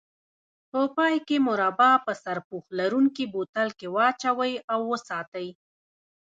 په پای کې مربا په سرپوښ لرونکي بوتل کې واچوئ او وساتئ.